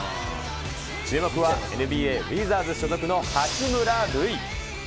注目はＮＢＡ・ウィザーズ所属の八村塁。